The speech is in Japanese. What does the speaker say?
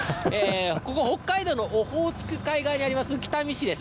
ここ、北海道のオホーツク海側にあります北見市です。